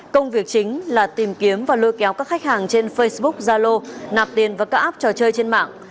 công việc chính là tìm kiếm và lôi kéo các khách hàng trên facebook zalo nạp tiền vào các app trò chơi trên mạng